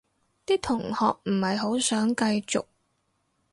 啲同學唔係好想繼續